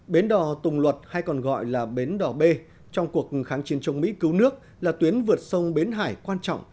bến đỏ tùng luật hay còn gọi là bến đỏ b trong cuộc kháng chiến chống mỹ cứu nước là tuyến vượt sông bến hải quan trọng